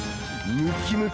ムキ！ムキ！